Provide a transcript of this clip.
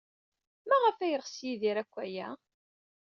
Maɣef ay yeɣs Yidir akk aya?